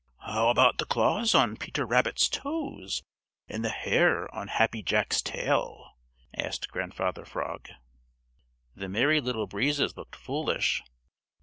"How about the claws on Peter Rabbit's toes and the hair of Happy Jack's tail?" asked Grandfather Frog. The Merry Little Breezes looked foolish.